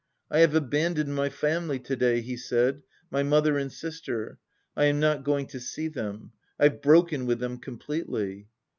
"I have abandoned my family to day," he said, "my mother and sister. I am not going to see them. I've broken with them completely."